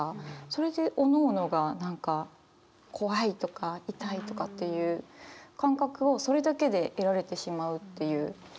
それでおのおのが何か怖いとか痛いとかっていう感覚をそれだけで得られてしまうっていう。